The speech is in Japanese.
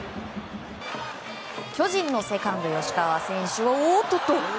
巨人のセカンド吉川選手は、おっとっと。